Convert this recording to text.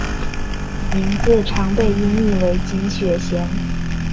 名字常被音译为金雪贤。